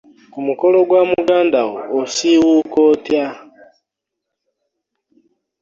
Ku mukolo gwa muganda wo osiiwuuka otya?